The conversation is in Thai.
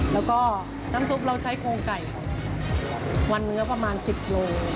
แล้วก็น้ำซุปเราใช้โครงไก่วันเนื้อประมาณ๑๐โล